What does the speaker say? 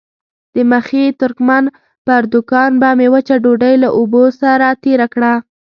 د مخي ترکمن پر دوکان به مې وچه ډوډۍ له اوبو سره تېره کړه.